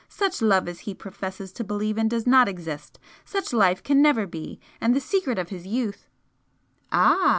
Such love as he professes to believe in does not exist, such life can never be, and the secret of his youth " "Ah!"